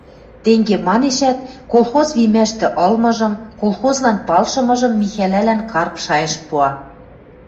– Тенге манешӓт, колхоз вимӓштӹ ылмыжым, колхозлан палшымыжым Михӓлӓлӓн Карп шайышт пуа.